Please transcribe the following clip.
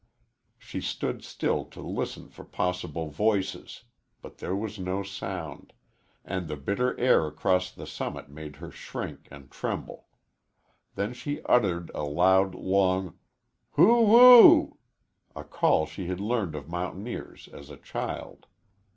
She stood still to listen for possible voices, but there was no sound, and the bitter air across the summit made her shrink and tremble. Then she uttered a loud, long, "Hoo oo woo o!" a call she had learned of mountaineers as a child.